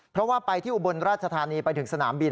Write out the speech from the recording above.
เพราะว่าไปที่อุบลราชธานีไปถึงสนามบิน